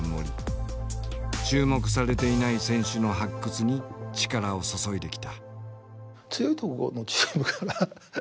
注目されていない選手の発掘に力を注いできた。